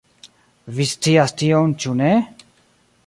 Vi scias tion ĉu ne?